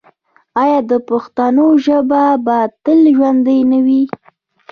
آیا د پښتنو ژبه به تل ژوندی نه وي؟